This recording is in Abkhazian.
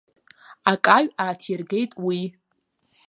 Акаҩ ааҭиргеит уи.